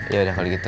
ya udah kalau gitu